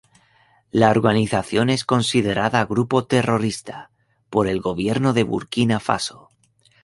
La organización es considerada grupo terrorista por el gobierno de Burkina Faso.